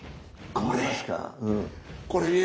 これ！